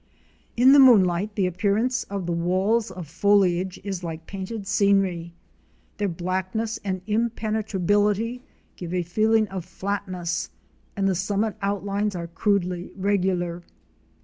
In the moonlight the appearance of the walls of foliage is like painted scenery. Their blackness and impenetrability give a feeling of flatness and the summit outlines are crudely regular.